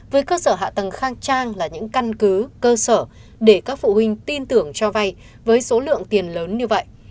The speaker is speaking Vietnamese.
với cơ sở hạ tầng khang trang là những căn cứ cơ sở để các phụ huynh tin tưởng cho vay với số lượng tiền lớn như vậy